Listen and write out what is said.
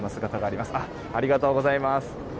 ありがとうございます。